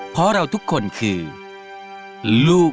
เพราะเราทุกคนคือลูก